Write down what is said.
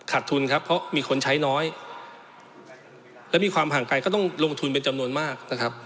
ทุนครับเพราะมีคนใช้น้อยและมีความห่างไกลก็ต้องลงทุนเป็นจำนวนมากนะครับ